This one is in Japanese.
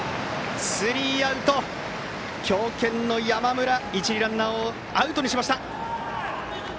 スリーアウト、強肩の山村が一塁ランナーをアウトにしました。